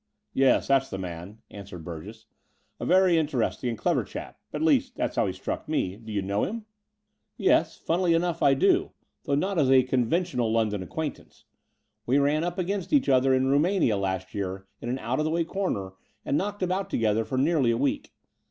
"Yes, that's the man," answered Burgess, "a very interesting and clever chap — at least, that's how he struck me. Do you know him ?'' Yes, funnily enough, I do, though not as a «« 76 The Door of the Unreal conventional London acquaintance. We ran up against each other in Rumania last year in an out of the way comer and knocked about together for nearly a week.